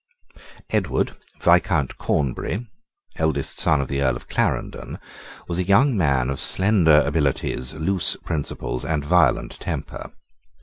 Edward, Viscount Cornbury, eldest son of the Earl of Clarendon, was a young man of slender abilities, loose principles, and violent temper.